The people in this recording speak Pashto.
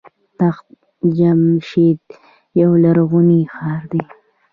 تخت جمشید یو لرغونی ښار دی.